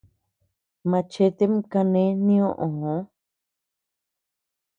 Machetem kane nioo.